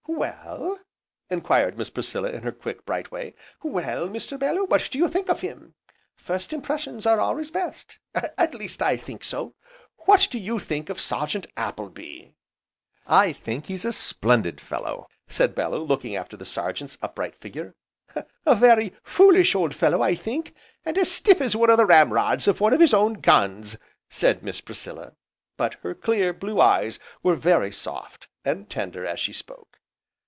"Well?" enquired Miss Priscilla in her quick, bright way, "Well Mr. Bellew, what do you think of him? first impressions are always best, at least, I think so, what do you think of Sergeant Appleby?" "I think he's a splendid fellow," said Bellew, looking after the Sergeant's upright figure. "A very foolish old fellow, I think, and as stiff as one of the ram rods of one of his own guns!" said Miss Priscilla, but her clear, blue eyes were very soft, and tender as she spoke.